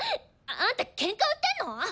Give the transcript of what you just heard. あんたケンカ売ってんの！？